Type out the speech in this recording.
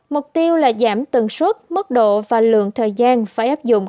mục tiêu là giảm tần suất mức độ và lượng thời gian phải áp dụng